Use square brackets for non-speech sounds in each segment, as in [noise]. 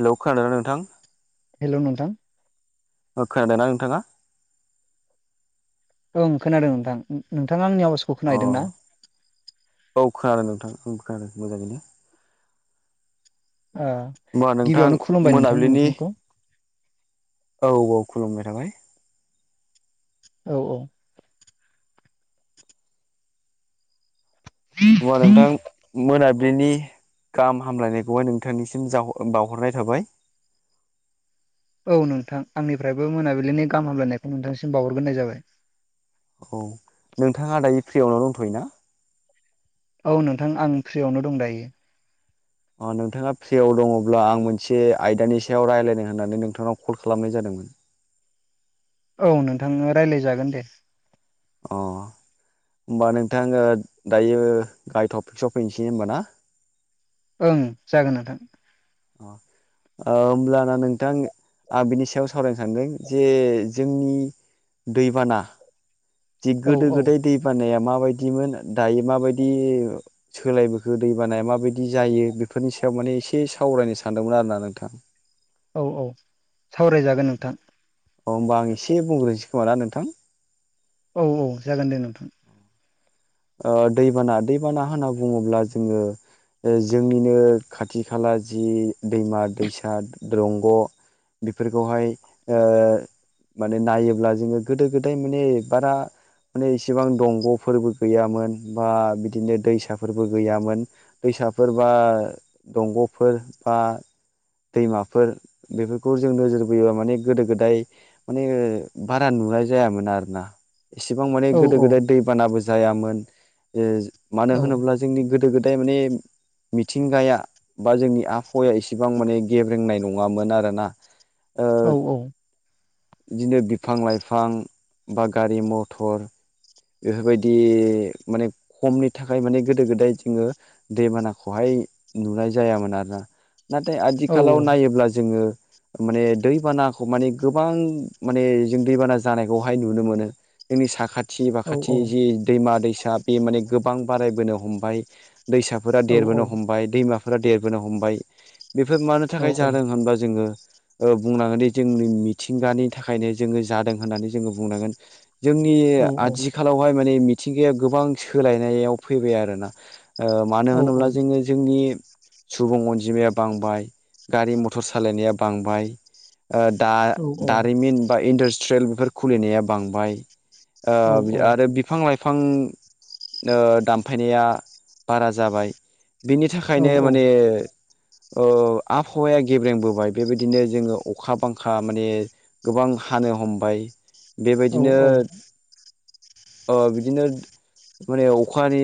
Hello खोनादोंना नोंथां? Hello नोंथां। ओ खोनादोंना नोंथाङा? ओं खोनादों नोंथां नों-नोंथाङा आंनि आवाज अ औ खोनादों नोंथां उम खोनादों मोजाङैनो। अ होमबा नोंथां मोनाबिलिनि औ औ खुलुमनाय थाबाय। औ औ होमबा नोंथां मोनाबिलिनि गाहाम हामलायनायखौहाय नोंथांनिसिम जाव ओ बावहरनाय थाबाय। औ नोंथां आंनिफ्रायबो मोनाबिलिनि गाहाम हामलायनायखौ नोंथांसिम बावहरग्रोनाय जाबाय। औ नोंथाङा दायो फ्रियावनो दंथ'यो ना? औ नोंथां आं फ्रियावनो दं दायो। अ नोंथाङा फ्रियाव दङब्ला आं मोनसे आयदानि सायाव रायलायनो होननानै नोंथांनाव कल खालामनाय जादोंमोन। औ नोंथां रायलायजागोन दे। अ होमबा नोंथां ओ दायो गाहाय टपिक्सआव फैनिसै होमबा ना। ओं जागोन नोंथां। अ ओ होमब्लाना नोंथां आ बिनि सायाव सावरायनो सानदों जे जोंनि दैबाना जि औ गोदो गोदाय दै बानाया माबायदिमोन दायो माबायदि सोलायबोखो दैबानाया माबायदि जायो बेफोरनि सायाव माने एसे सावरायनो सानदोंमोन आरोना नोंथां औ-औ सावरायजागोन नोंथां अ होमबा आं एसे बुंग्रोनिसै खोमा ना नोंथां औ-औ जागोन दे नोंथां ओ दैबाना दैबाना होनना बुङोब्ला जोङो ओ जोंनिनो खाथि खाला जि दैमा दैसा दंग' बेफोरखौहाय ओ माने नायोब्ला जोङो गोदो गोदाय माने बारा माने इसेबां दंग'फोरबो गैयामोन बा बिदिनो दैसाफोरबो गैयामोन दैसाफोरबा दंग'फोर बा दैमाफोर बेफोरखौ जों नोजोर बोयोबा माने गोदो गोदाय माने बारा नुनाय जायामोन आरोना एसेबां माने औ गोदो औ गोदाय दैबानाबो जायामोन मानो औ होनोब्ला जोंनि गोदो गोदाय माने मिथिंगाया बा जोंनि आबहावाया इसेबां माने गेब्रेंनाय नङामोन आरोना ओ औ-औ बिदिनो बिफां लाइफां बा गारि मथर बेफोरबाय दि माने खमनि थाखाय माने गोदो गोदाय जोङो दैबानाखौहाय नुनाय जायामोन आरोना नाथाय औ आथिखालाव नायोब्ला जोङो माने दैबानाखौ माने गोबां माने जों दैबाना जानायखौहाय नुनो मोनो जोंनि साखाथि औ बाखाथि जि औ दैमा दैसा बे माने गोबां बारायबोनो हमबाय दैसाफोरा औ देरबोनो हमबाय दैमाफोरा देरबोनो हमबाय बेफोर मानो औ थाखाय औ जादों होनबा जोङो बुंनांगोन दि जोंनि मिथिंगानि थाखायनो जोङो जादों होननानै जोङो बुंनांगोन जोंनि आथिखालावहाय माने मिथिंगाया गोबां सोलायनायाव फैबाय आरोना मानो होनोब्ला जोङो जोंनि सुबुं अनजिमाया बांबाय गारि मथर सालायनाया बांबाय दा दारिमिन बा इन्डास्ट्रियेल बेफोर खुलिनाया बांबाय ओ आ आरो बिफां लाइफां ओ दानफायनाया बारा जाबाय बिनि औ थाखायनो माने ओ आबहावाया गेब्रेंबोबाय बेबायदिनो जोङो अखा बांखा माने गोबां हानो हमबाय औ बेबायदिनो औ बिदिनो माने अखानि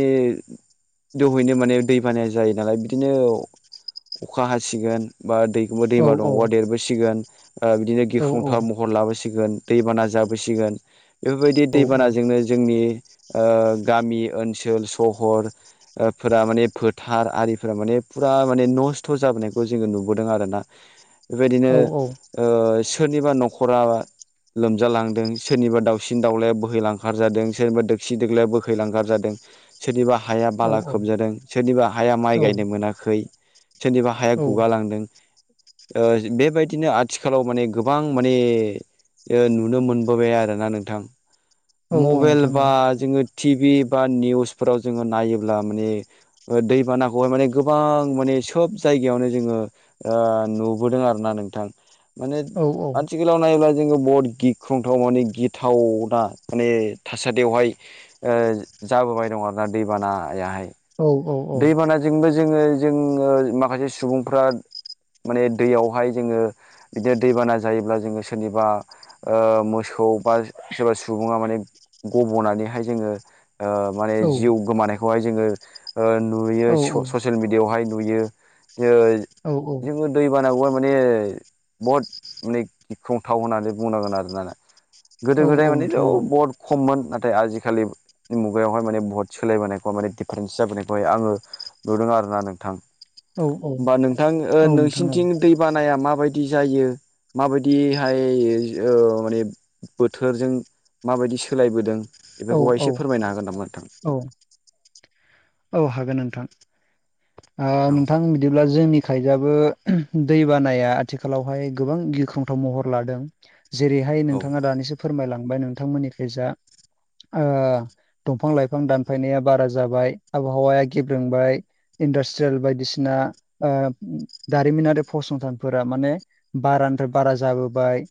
दहैनो माने दै बानाया जायो नालाय बिदिनो अखा हासिगोन बा दै औ दैमा दंगवा देरबोसिगोन बिदिनो औ गिख्रंथाव महर लाबोसिगोन दैबाना जाबोसिगोन बेफोरबायदि औ दैबानाजोंनो जोंनि गामि ओनसोल सहर फोरा माने फोथार आरिफोरा माने फुरा माने नस्थ' जाबोनायखौ जोङो नुबोदों आरोना औ बेबायदिनो सोरनिबा न'खरा लोमजालांदों सोरनिबा दाउसिन दाउलाया बोहैलां खार जादों सोरनिबा दोगसि दोलाया बोहैलांंखार जादों सोरनिबा हाया औ बाला खोबजादों सोरनिबा हाया माइ गायनो मोनाखै सोरनिबा हाया औ गुगालांदों बेबायदिनो आथिखालाव माने गोबां माने नुनो मोनबोबाय आरोना नोंथां औ मबाइल नोंथां बा जोङो टिभि बा निउसफोराव जोङो नायोब्ला माने दैबानाखौहाय माने गोबां माने सोब जायगायावनो जोङो नुबोदों आरो ना नोंथां माने औ आथिखालाव नायोब्ला जोङो बहुत गिख्रंथाव माने गिथावना माने थासदियावहाय जाबोबाय दं आरोना दैबानाहाय औ-औ दैबानाजोंबो जोङो जोङो माखासे सुबुंफ्रा माने दैयावहाय जोङो बिदिनो दैबाना जायोब्ला जोङो सोरनिबा मोसौ बा सोरबा सुबुङा माने गब'नानैहाय जोङो माने जिउ गोमानायखौहाय जोङो नुयो औ ससियेल मि दियावहाय नुयो जोङो दै बानाखौहाय माने बहुद माने गिख्रंथाव होननानै बुंनांगोन आरो ना गोदो गोदाय मानेथ' नोंथां औ बहद खममोन नाथाय आजिखालि मुगायावहाय माने बुहुत सोलायबोनायखौ माने दिफारेन्स जाबोनाय खौ नुदों आरोना नोंथां औ होमबा नोंथां नोंसिनिथिं नोंथां दै बानाया माबायदि जायो माबायदिहाय ओ माने बोथोरजों माबायदि सोलायबोदों औ औ बेफोरखौहाय एसे फोरमायनो हागोन नामा नोंथां औ औ हागोन नोंथां आ औ नोंथां बिदिब्ला जोंनि खायजाबो दै बानाया आथिखालावहाय गोबां गिख्रंथाव महर लादों जेरैहाय औ नोंथाङा दानिसो फोरमायलांबाय नोंथांमोननिखै जा ओ दंफां लाइफां दानफायनाया बारा जाबाय आबहावाया गेब्रेंबाय इन्डास्ट्रियेल बायदिसिना दारिमिनारि फसंथानफोरा माने बारानिफ्राय बारा जाबोबाय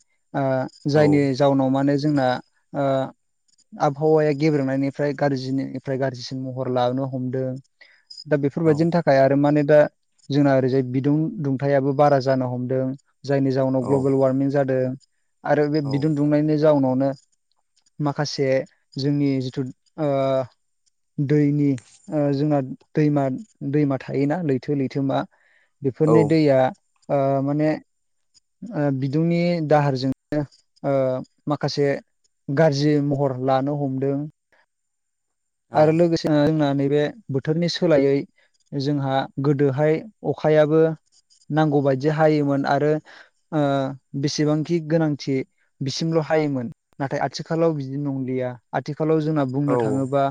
औ जायनि जाउनाव माने जोंना आ आबहावाया गेब्रेंनायनिफ्राय गाज्रिनिफ्राय गाज्रिसिन महर लानो हमदों दा औ बेफोरबायदिनि था खाय आरो माने दा जोंना ओरैजाय बिदुं दुंथायाबो बारा जानो हमदों जायनि जाउनाव औ ग्लबेल वारमिं जादों आरो बे औ बिदुं दुंनायनि जाउनावनो माखासे जोंनि जिथु ओ दैनि जोंहा दैमा दैमा थायोना लैथो लैथोमा बेफोरनि औ दैया आ माने बिदुंनि दाहारजोंनो ओ माखासे गाज्रि महर लानो हमदों औ आरो लोगोसे जोङो जोंना नैबे बोथोरनि सोलायै जोंहा गोदोहाय अखायाबो नांगौ बायदि हायोमोन आरो ओ बेसेबांखि गोनांथि बिसिमल' हायोमोन नाथाय आथिखालाव बिदि नंलिया आथिखालाव जोंना औ बुंनो थाङोब्ला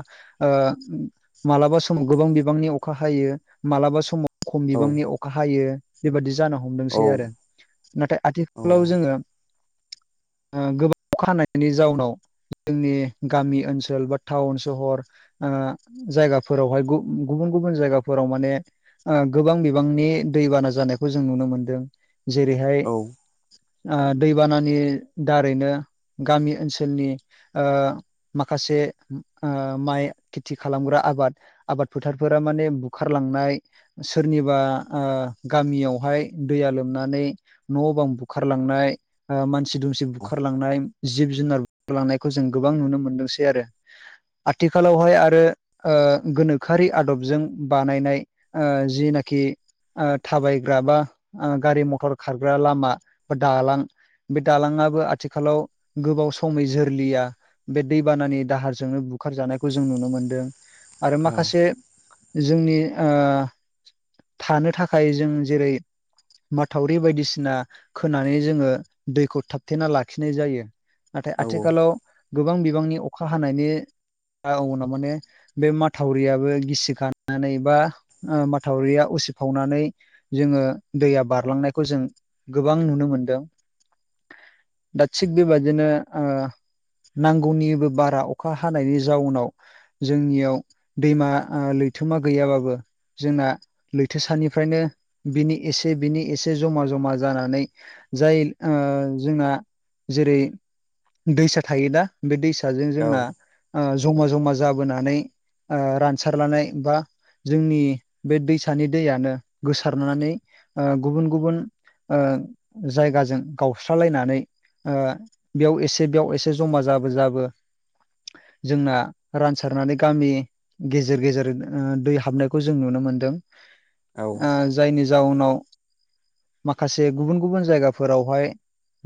ओ मालाबा समाव गोबां बिबांनि अखा हायो मालाबा समाव खम बिबांनि अखा हायो बेबि जानो हमदोंसै आरो नाथाय आथिखालाव जोङो गोबां अखा हानायनि जाउनाव जोंनि गामि ओनसोल बा टाउन सहर आ जायगाफोरावहाय गु गुबुन गुबुन जायगाफोराव माने आ गोबां बिबांनि दैबाना जानायखौ जों नुनो मोनदों जेरैहाय दैबानानि दारैनो गामि ओनसोलनि ओ माखासे ओ माइ खेथि खालामग्रा आबाद आबाद फोथारफोरा माने बुखारलांनाय सोरनिबा गामियावहाय दैया लोमनानै न' बां बुखारलांनाय मानसि दुमसि बुखारलांनाय जिब जुनार बुखारलांनायखौ जों गोबां नुनो मोनदोंसै आरो आथिखालावहाय आरो ओ गोनोखोआरि आदबजों बानायनाय आ जिनाखि आ थाबायग्रा बा गारि मथर खारग्रा लामा बा दालां बे दालाङाबो आथिखालाव गोबाव समै जोरलिया बे दैबानानि दाहारजोंनो बुखारजानायखौ जों नुनो मोनदों आरो माखासे जोंनि ओ थानो थाखाय जों जेरै माथावरि बायदिसिना खोनानै जोङो दैखौ थाबथेना लाखिनाय जायो नाथाय आथिखालाव गोबां बिबांनि अखा हानायनि जाउनाव माने बे माथावरियाबो गिसिखानानै बा ओ माथावरिया उसिफावनानै जोङो दैया बारलांनायखौ जों गोबां नुनो मोनदों दा थिग बेबादिनो ओ नांगौनिबो बारा अखा हानायनि जाउनाव जोंनियाव दैमा ओ लैथोमा गैयाबाबो जोंना लैथोसानिफ्रायनो बिनि इसे बिनि इसे जमा जमा जानानै जाय ओ जोङा जेरै दैसा थायो दा बे दैसाजों जोंना ओ जमा जमा जाबोनानै ओ रानसारलानाय बा जोंनि बे दैसानि दैयानो गोसारनानै ओ गुबुन गुबुन ओ जायगाजों गावस्रालायनानै ओ बेयाव एसे बेयाव एसे जमा जाबो जाबो जोंना रानसारनानै गामि गेजेर गेजेर दै हाबनायखौ जों नुनो मोनदों औ ओ जायनि जाउनाव माखासे गुबुन गुबुन जायगाफोरावहाय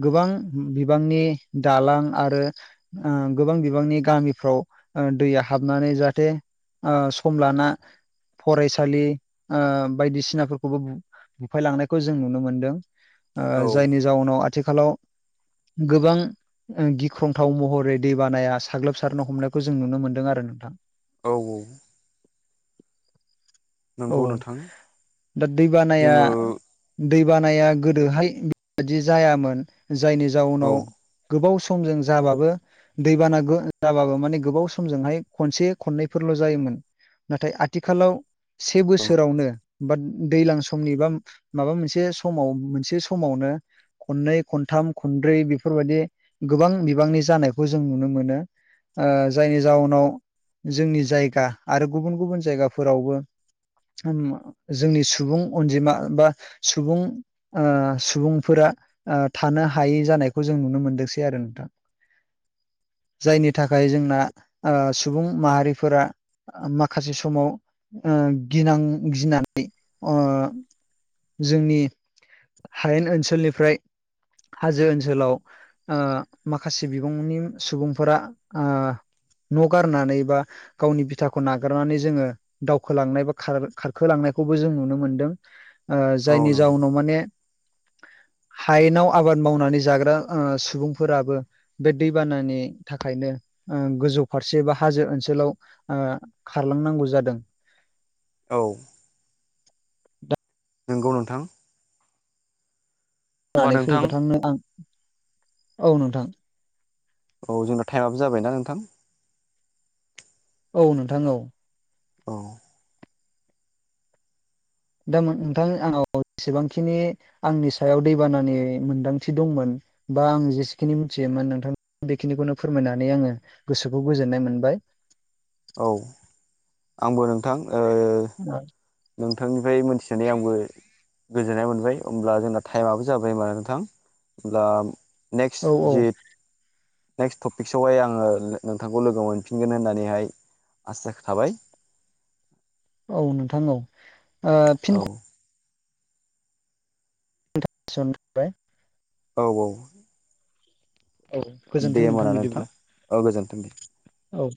गोबां बिबांनि दालां आरो ओ गोबां बिबांनि गामिफ्राव ओ दैया हाबनानै जाहाथे ओ सम लाना फरायसालि ओ बायदिसिनाफोरखौबो बु बुफायलांनायखौ जों नुनो मोनदों ओ औ जायनि जाउनाव आथिखालाव गोबां गिख्रंथाव महरै दैबानाया साग्लोब सारनो हमनायखौ जों नुनो मोन्दों आरो नोंथां औ-औ औ नंगौ नोंथां दा दैबानाया जोङो दैबानाया गोदोहाय बेबायदि जायामोन जायनि औ जाउनाव गोबाव स मजों जाबाबो दैबाना गो जाबाबो माने गोबाव समजोंहाय खनसे खननैफोरल' जायोमोन नाथाय आथिखालाव से बोसोरावनो बाद दैलां समनि बा माबा मोनसे समाव मोनसे समावनो खननै, खनथाम, खनब्रै बेफोरबायदि गोबां बिबांनि जानायखौ जों नुनो मोनो ओ जायनि जाउनाव जोंनि जायगा आरो गुबुन गुबुन जायगाफोरावबो जोंनि सुबुं अनजिमा बा सुबुं ओ सुबुंफोरा ओ थानो हायै जानायखौ जों नुनो मोनदोंसै आरो नोंथां जायनि थाखाय जोंना ओ सुबुं माहारिफोरा माखासे समाव ओ गिनां गिनानै ओ जोंनि हायेन ओनसोलनिफ्राय हाजो ओनसोलाव ओ माखासे बिबुंनि सुबुं फोरा ओ न' गारनानै बा गावनि बिथाखौ नागारनानै जोङो दावखोलांनाय बा खारखोलांनायखौबो जों नुनो मोनदों ओ जायनि नंगौ जाउनाव माने [inaudible] हायेनाव आबाद मावनानै जाग्रा ओ सुबुंफोराबो बे दैबानानि थाखायनो ओ गोजौ फारसे बा हाजो ओनसोलाव ओ खारलांनांगौ जादों औ नोंगौ नोंथां होमबा नानै नोंथां फैबा नोंथांनो आं औ नोंथां औ जोंना थाइमाबो जाबायना नोंथां औ नोंथां औ औ दा नोंथां आंनाव जेसेबांखिनि आंनि सायाव दैबानानि मोनदांथि दंमोन बा आं जेसेखिनि मोनथियोमोन नोंथांमोन बेखिनिखौनो फोरमायनानै आङो गोसोखौ गोजोननाय मोनबाय औ आंबो नोंथां ओ [inaudible] नोंथांनिफ्राय मोनथिनानै आंबो गोजोन्नाय मोनबाय होमब्ला जोंना टाइमाबो जाबाय होनबा नोंथां होमब्ला नेक्स्ट औ जे नेक्स्ट टपिकसआवहाय आङो नोंथांखौ लोगो मोनफिनगोन होननानैहाय आसा थाबाय औ नोंथां औ औ फिन [unintelligible] थाबाय औ-औ औ गोजोन्थों दे होमबा ना नोंथां बिदिब्ला औ गोजोन्थों दे औ